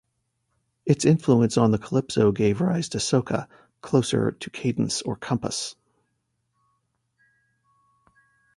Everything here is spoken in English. Its influence on the calypso gave rise to Soca, closer to cadence or compas.